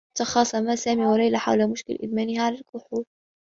تخاصما سامي و ليلى حول مشكل إدمانها على الكحول.